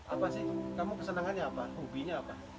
apa sih kamu kesenangannya apa hobinya apa